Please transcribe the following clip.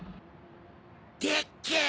でっけぇ